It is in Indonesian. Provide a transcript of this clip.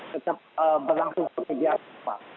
tetap berlangsung seperti biasa